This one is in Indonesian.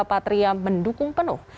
riza patria mendukung penuh